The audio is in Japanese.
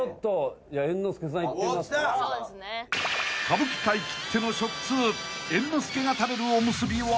［歌舞伎界きっての食通猿之助が食べるおむすびは？］